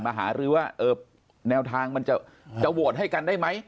หารือว่าแนวทางมันจะโหวตให้กันได้ไหม